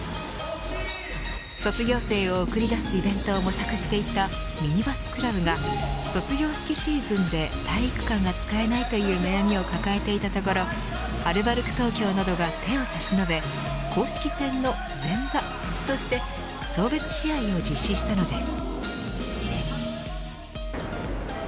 卒業生を送り出すイベントを模索していたミニバスクラブが卒業式シーズンで体育館が使えないという悩みを抱えていたところアルバルク東京などが手を差し伸べ公式戦の前座として送別試合を実施したのです。